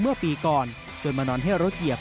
เมื่อปีก่อนจนมานอนให้รถเหยียบ